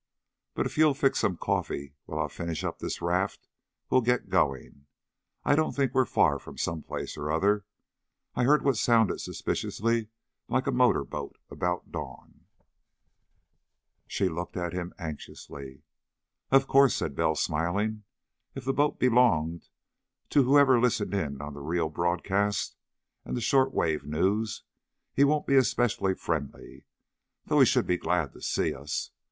But if you'll fix some coffee while I finish up this raft, we'll get going. I don't think we're far from some place or other. I heard what sounded suspiciously like a motor boat, about dawn." She looked at him anxiously. "Of course," said Bell, smiling, "if the boat belonged to whoever listened in on the Rio broadcast and the short wave news, he won't be especially friendly, though he should be glad to see us.